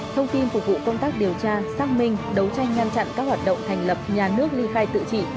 thông tin phục vụ công tác điều tra xác minh đấu tranh ngăn chặn các hoạt động thành lập nhà nước ly khai tự trị